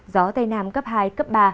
gió tây nam cấp hai cấp ba